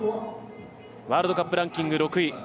ワールドカップランキング６位。